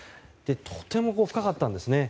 とても深かったんですね。